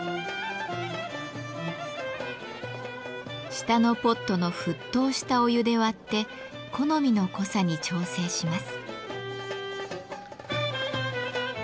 下のポットの沸騰したお湯で割って好みの濃さに調整します。